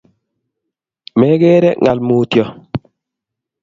Megeere ngaal mutyo